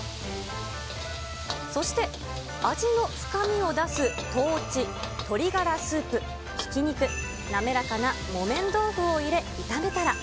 そして味の深みを出すとうち、鶏ガラスープ、ひき肉、滑らかな木綿豆腐を入れ、炒めたら。